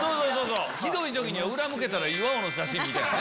ひどい時には裏向けたら岩尾の写真みたいなね。